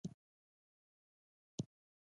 زه د اونۍ یونۍ او دونۍ دې درې ورځو کې کار کوم